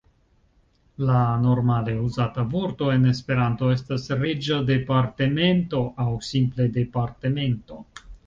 La normale uzata vorto en Esperanto estas "reĝa departemento" aŭ simple "departemento".